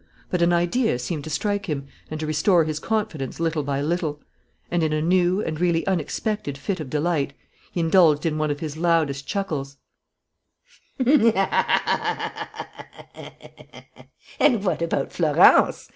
But an idea seemed to strike him and to restore his confidence little by little; and, in a new and really unexpected fit of delight, he indulged in one of his loudest chuckles: "And what about Florence?"